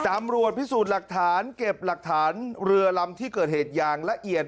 ตำรวจพิสูจน์หลักฐานเก็บหลักฐานเรือลำที่เกิดเหตุอย่างละเอียด